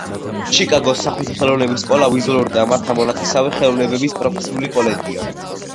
ჩიკაგოს სახვითი ხელოვნების სკოლა ვიზუალური და მასთან მონათესავე ხელოვნებების პროფესიული კოლეჯია.